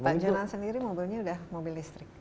pak jolan sendiri mobilnya udah mobil listrik